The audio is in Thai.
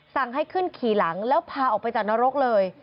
สั่งให้ขึ้นขี่หลังแล้วพาออกไปจากนรกเลย